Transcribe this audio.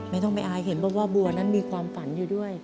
ไม่ต้องไปอายเห็นเพราะว่าบัวนั้นมีความฝันอยู่ด้วย